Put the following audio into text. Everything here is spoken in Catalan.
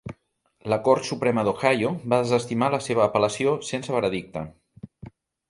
La Cort Suprema d'Ohio va desestimar la seva apel·lació sense veredicte.